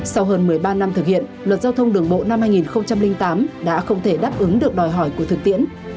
sau hơn một mươi ba năm thực hiện luật giao thông đường bộ năm hai nghìn tám đã không thể đáp ứng được đòi hỏi của thực tiễn